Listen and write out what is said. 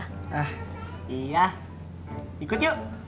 hah iya ikut yuk